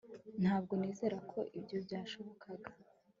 Ntabwo nizera ko ibyo byashobokaga